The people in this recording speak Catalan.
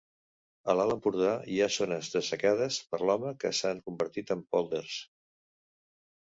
A l'Alt Empordà hi ha zones dessecades per l'home que s'han convertit en pòlders.